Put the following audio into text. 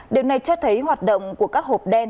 điều này cho thấy hoạt động của các hộp đen